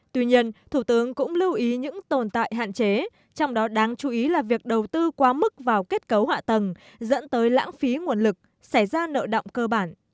tuy nhiên thủ tướng cũng lưu ý những tồn tại hạn chế trong đó đáng chú ý là việc đầu tư quá mức vào kết cấu hạ tầng dẫn tới lãng phí nguồn lực xảy ra nợ động cơ bản